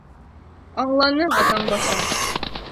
Аңланың, атаң башы!